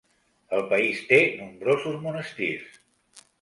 El país té nombrosos monestirs.